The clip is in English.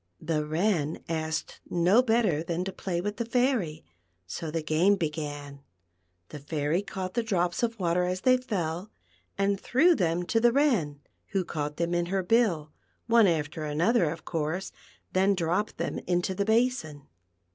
The Wren asked no better than to play with the Fairy ; so the game began. The Fairy caught the drops of water as they fell, and threw them to the Wren, who caught them in her bill — one after another, of course — then dropped them into the basin.